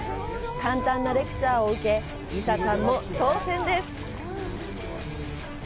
簡単なレクチャーを受けリサちゃんも挑戦です！